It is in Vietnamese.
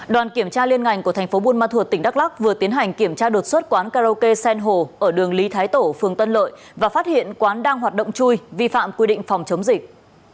đoàn kiểm tra liên ngành của thành phố buôn ma thuột tỉnh đắk lắc vừa tiến hành kiểm tra đột xuất quán karaoke sen hồ ở đường lý thái tổ phường tân lợi và phát hiện quán đang hoạt động chui vi phạm quy định phòng chống dịch